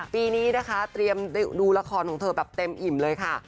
ปีนี้ลองไปดูราคอนของเธอเต็มอิ่มเลยค่ะ